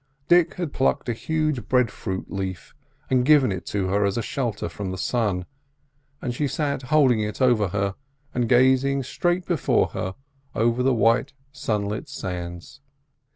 Dick had plucked a huge breadfruit leaf and given it to her as a shelter from the sun, and she sat holding it over her, and gazing straight before her, over the white, sunlit sands.